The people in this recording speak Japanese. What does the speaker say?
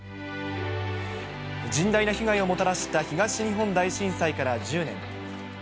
甚大な被害をもたらした東日本大震災から１０年。